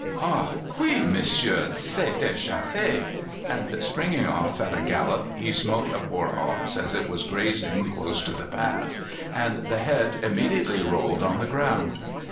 "Ah, q'oui, monsieur, c'est déjà fait;" and springing off at a gallop, he smote a poor ox as it was grazing close to the path, and the head immediately rolled on the ground.